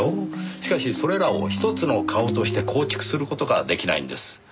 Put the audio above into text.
しかしそれらを一つの顔として構築する事が出来ないんです。